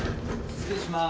失礼します。